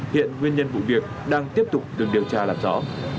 hiện nguyên nhân vụ việc đang tiếp tục được điều tra làm rõ